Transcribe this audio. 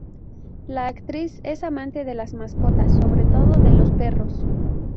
La actriz es amante de las mascotas sobre todo de los perros.